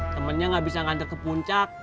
temennya nggak bisa ngantuk ke puncak